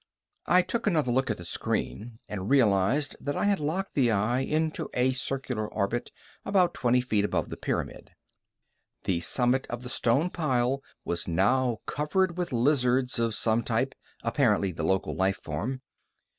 I took another look at the screen and realized that I had locked the eye into a circular orbit about twenty feet above the pyramid. The summit of the stone pile was now covered with lizards of some type, apparently the local life form.